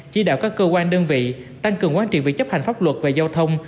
chỉ đạo các cơ quan đơn vị tăng cường quan trị việc chấp hành pháp luật về giao thông